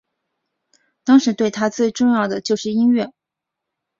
当时对他最重要的就是音乐。